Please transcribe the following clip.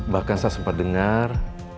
bahkan saya sempat dengar